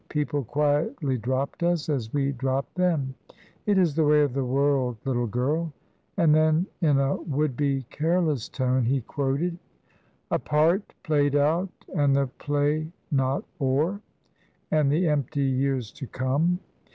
People quietly dropped us, as we dropped them. It is the way of the world, little girl." And then in a would be careless tone, he quoted, "A part played out, and the play not o'er, And the empty years to come!